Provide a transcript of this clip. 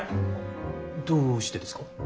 どうしてですか？